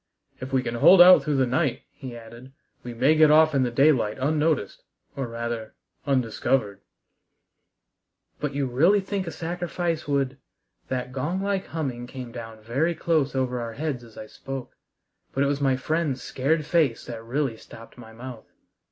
"If we can hold out through the night," he added, "we may get off in the daylight unnoticed, or rather, undiscovered." "But you really think a sacrifice would " That gong like humming came down very close over our heads as I spoke, but it was my friend's scared face that really stopped my mouth.